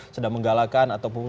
sedang menggalakan ataupun